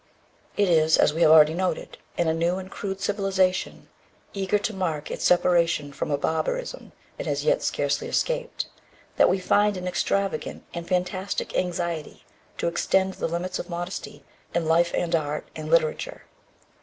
It is, as we have already noted, in a new and crude civilization, eager to mark its separation from a barbarism it has yet scarcely escaped, that we find an extravagant and fantastic anxiety to extend the limits of modesty in life, and art, and literature.